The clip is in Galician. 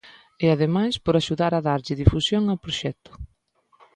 E ademais, por axudar a darlle difusión ao proxecto.